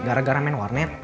gara gara main warnet